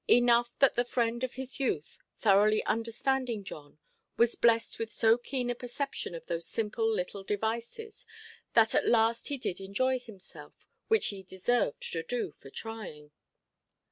Enough that the friend of his youth, thoroughly understanding John, was blessed with so keen a perception of those simple little devices, that at last he did enjoy himself, which he deserved to do for trying.